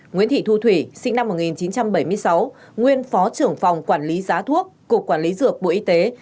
nguyễn thị thu thủy sinh năm một nghìn chín trăm bảy mươi sáu nguyên phó trưởng phòng quản lý giá thuốc cục quản lý dược bộ y tế